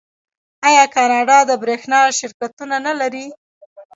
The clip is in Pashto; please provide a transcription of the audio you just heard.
آیا کاناډا د بریښنا شرکتونه نلري؟